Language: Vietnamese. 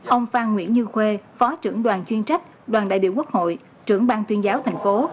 ông phan nguyễn như khuê phó trưởng đoàn chuyên trách đoàn đại biểu quốc hội trưởng bang tuyên giáo thành phố